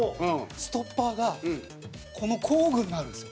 ストッパーがこの工具になるんですよ。